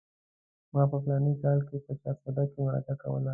ما په فلاني کال کې په چارسده کې مرکه کوله.